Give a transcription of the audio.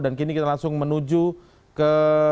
dan kini kita langsung menuju ke